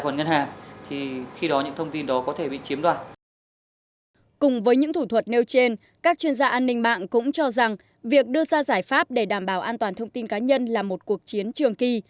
ninh mạng cũng cho rằng việc đưa ra giải pháp để đảm bảo an toàn thông tin cá nhân là một cuộc chiến trường kỳ